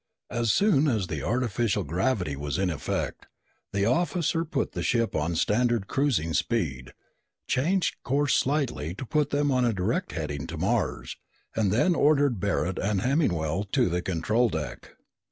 As soon as the artificial gravity was in effect, the officer put the ship on standard cruising speed, changed course slightly to put them on a direct heading to Mars, and then ordered Barret and Hemmingwell to the control deck.